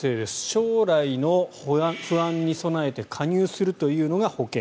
将来の不安に備えて加入するというのが保険。